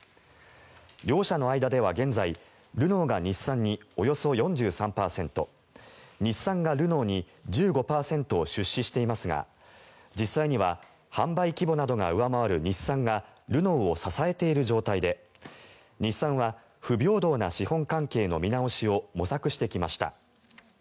両社の間では、現在ルノーが日産におよそ４３％日産がルノーに１５％を出資していますが実際には販売規模などが上回る日産がルノーを支えている状態で日産は不平等な資本関係の見直しを模索してきました。